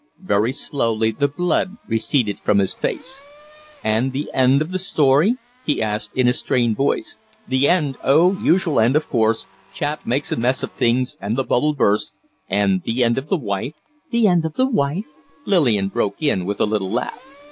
Very slowly the blood receded from his face. "And the end of the story?" he asked, in a strained voice. "The end? Oh, usual end, of course. Chap makes a mess of things and the bubble bursts." "And the end of the wife?" "The end of the wife?" Lillian broke in, with a little laugh.